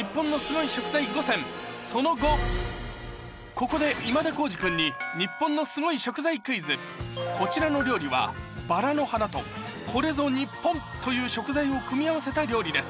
ここで今田耕司君にこちらの料理は薔薇の花とこれぞ日本という食材を組み合わせた料理です